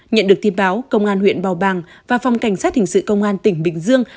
nhận được tin báo công an huyện bào bàng và phòng cảnh sát hình sự công an tỉnh bình dương